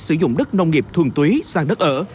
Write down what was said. sử dụng đất nông nghiệp thuần túy sang đất ở